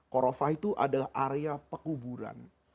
korofah itu adalah area pekuburan